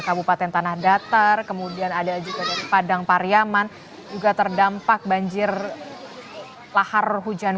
kabupaten tanah datar kemudian ada juga dari padang pariaman juga terdampak banjir lahar hujan